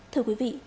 thưa quý vị